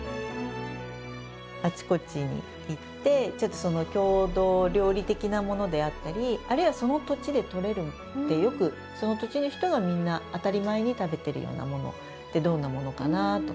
あちこちに行ってちょっと郷土料理的なものであったりあるいはその土地でとれるよくその土地の人がみんな当たり前に食べてるようなものってどんなものかな？とか。